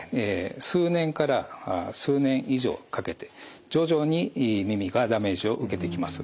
数年から数年以上かけて徐々に耳がダメージを受けてきます。